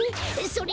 それ！